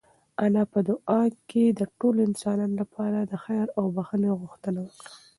انا په دعا کې د ټولو انسانانو لپاره د خیر او بښنې غوښتنه وکړه.